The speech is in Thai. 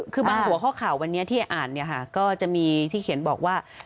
คือบางหัวข้อข่าววันนี้ที่อ่านเนี่ยค่ะก็จะมีที่เขียนบอกว่า